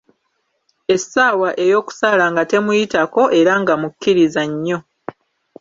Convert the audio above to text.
Essaawa ey'okusaala nga temuyitako era nga mukkiriza nnyo.